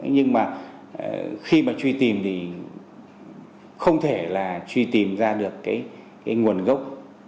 nhưng mà khi mà truy tìm thì không thể là truy tìm ra được cái nguồn gốc